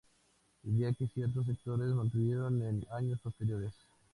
Idea que ciertos sectores mantuvieron en años posteriores.